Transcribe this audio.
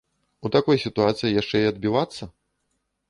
У такой сітуацыі яшчэ і адбівацца?